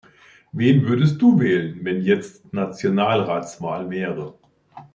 Wen würdest du wählen, wenn jetzt Nationalratswahl wäre?